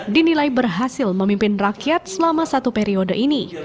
dinilai berhasil memimpin rakyat selama satu periode ini